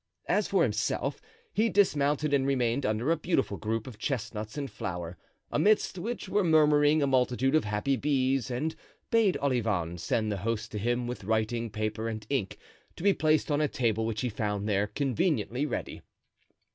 As for himself, he dismounted and remained under a beautiful group of chestnuts in flower, amidst which were murmuring a multitude of happy bees, and bade Olivain send the host to him with writing paper and ink, to be placed on a table which he found there, conveniently ready.